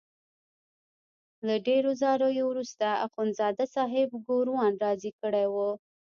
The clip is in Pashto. له ډېرو زاریو وروسته اخندزاده صاحب ګوروان راضي کړی وو.